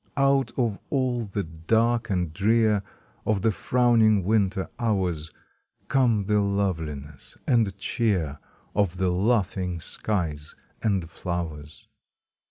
Out of all the dark and drear Of the frowning winter hours Come the loveliness and cheer Of the laughing skies and flowers.